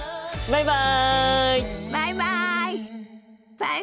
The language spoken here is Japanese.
バイバイ！